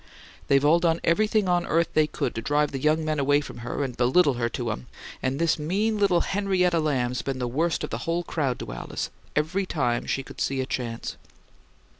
They've all done everything on earth they could to drive the young men away from her and belittle her to 'em; and this mean little Henrietta Lamb's been the worst of the whole crowd to Alice, every time she could see a chance."